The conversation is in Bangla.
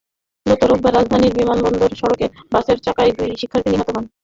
গত রোববার রাজধানীর বিমানবন্দর সড়কে বাসের চাপায় দুই শিক্ষার্থী নিহত হন।